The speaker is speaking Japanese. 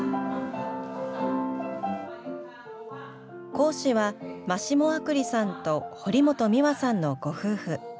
講師はマシモ・アクリさんと堀本美和さんのご夫婦。